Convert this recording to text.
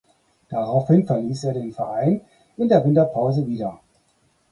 Daraufhin verließ er den Verein in der Winterpause wieder.